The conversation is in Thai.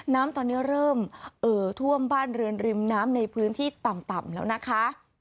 น้ำตอนนี้เริ่มเอ่อท่วมบ้านเรือนริมน้ำในพื้นที่ต่ำแล้วนะคะ